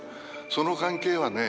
その関係はね